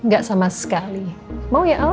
gak sama sekali mau ya allah